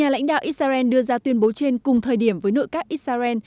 nhà lãnh đạo israel đưa ra tuyên bố trên cùng thời điểm với nội các israel